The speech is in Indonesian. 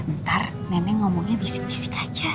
ntar nenek ngomongnya bisik bisik aja